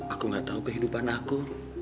aku gak tahu kehidupan aku